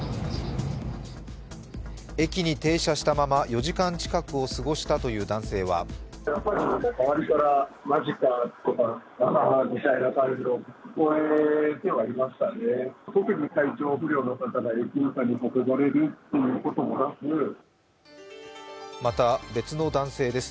駅に停車したまま４時間近くを過ごしたという男性はまた、別の男性です。